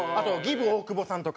↑大久保さんとか。